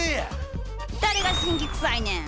誰が辛気くさいねん！